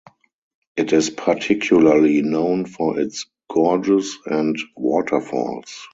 It is particularly known for its gorges and waterfalls.